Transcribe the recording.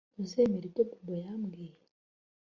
Ntuzemera ibyo Bobo yambwiye